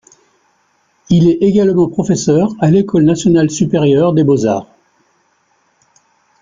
Il est également professeur à l'École nationale supérieure des beaux-arts.